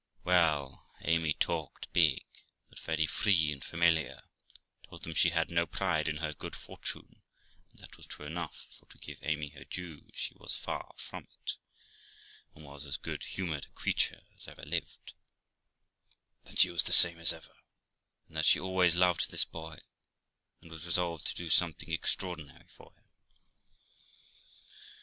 Well, Amy talked big, but very free and familiar, told them she had no pride in her good fortune (and that was true enough, for, to give Amy her due, she was far from it, and was as good humoured a creature as ever lived) ; that she was the same as ever ; and that she always loved this boy, and was resolved to do something extraordinary for him.